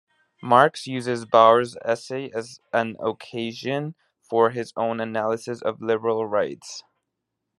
Marx uses Bauer's essay as an occasion for his own analysis of liberal rights.